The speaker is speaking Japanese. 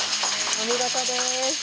お見事です。